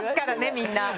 みんな。